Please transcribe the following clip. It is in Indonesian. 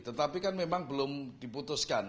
tetapi kan memang belum diputuskan